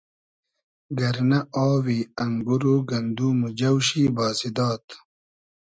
گئرنۂ آوی انگور و گندوم و جۆ شی بازی داد